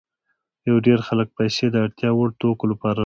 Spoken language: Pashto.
ډېر خلک پیسې د اړتیا وړ توکو لپاره راټولوي